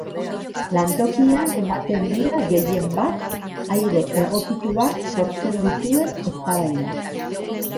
Lantokian ematen dira gehien bat, aire egokituak sortzen dituen eztabaidak.